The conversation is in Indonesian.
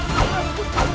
jangan lupa untuk berhenti